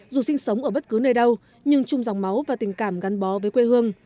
dù sinh sống ở bất cứ nơi đâu nhưng chung dòng máu và tình cảm gắn bó với quê hương